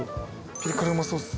ピリ辛うまそうっす。